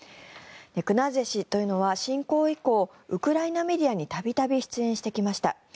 クナーゼ氏というのは侵攻以降ウクライナメディアに度々、出演してきました。